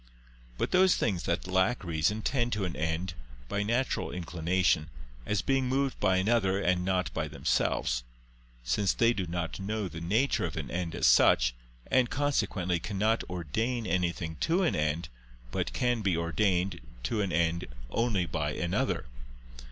But those things that lack reason tend to an end, by natural inclination, as being moved by another and not by themselves; since they do not know the nature of an end as such, and consequently cannot ordain anything to an end, but can be ordained to an end only by another.